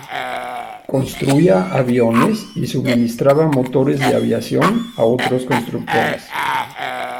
Construía aviones y suministraba motores de aviación a otros constructores.